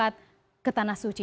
di tanah suci